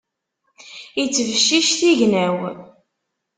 Ittbeccic tignaw.